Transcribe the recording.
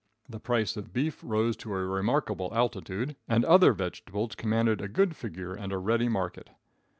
The price of beef rose to a remarkable altitude, and other vegetables commanded a good figure and a ready market.